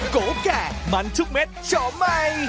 โกแก่มันทุกเม็ดโฉไหม